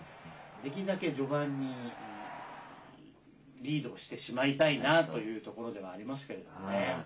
できるだけ序盤にリードしてしまいたいなというところではありますけれどもね。